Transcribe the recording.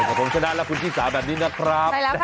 เวลาพรงชนะคุณชิสาแบบนี้นะครับ